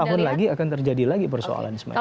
sepuluh tahun lagi akan terjadi lagi persoalan semacamnya